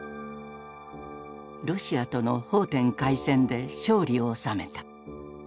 ロシアとの奉天会戦で勝利を収めた。